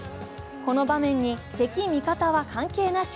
この場面に敵味方は関係なし。